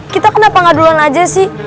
kita kenapa ngadulan aja sih